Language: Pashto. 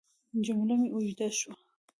جمله مې اوږده شوه.